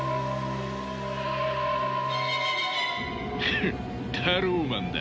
フッタローマンだ。